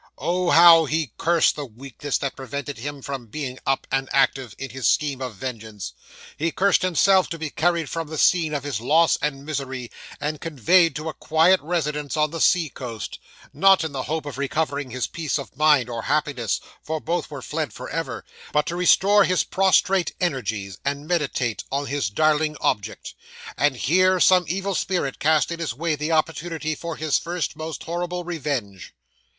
Oh, how he cursed the weakness that prevented him from being up, and active, in his scheme of vengeance! 'He caused himself to be carried from the scene of his loss and misery, and conveyed to a quiet residence on the sea coast; not in the hope of recovering his peace of mind or happiness, for both were fled for ever; but to restore his prostrate energies, and meditate on his darling object. And here, some evil spirit cast in his way the opportunity for his first, most horrible revenge.